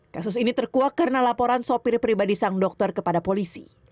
kasus ini terkuak karena laporan sopir pribadi sang dokter kepada polisi